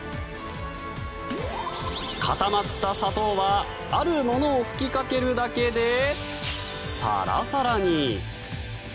固まった砂糖はあるものを吹きかけるだけでサラサラに。